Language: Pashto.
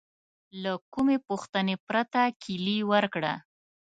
له کومې پوښتنې پرته کیلي ورکړه.